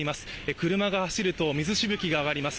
車が走ると水しぶきが上がります。